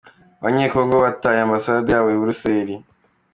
Abanyekongo bateye Ambasade yabo i Buruseri